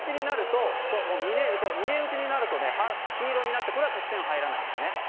みね打ちになると黄色になってこれは得点入らないんですね。